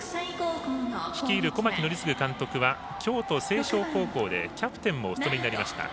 率いる小牧憲継監督は京都成章高校でキャプテンもお務めになりました。